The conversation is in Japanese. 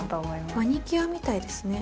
マニキュアみたいですね。